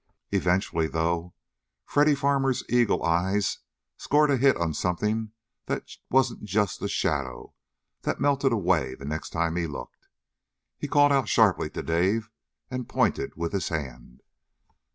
Eventually, though, Freddy Farmer's eagle eyes scored a hit on something that wasn't just a shadow that melted away the next time he looked. He called out sharply to Dave, and pointed with his hand.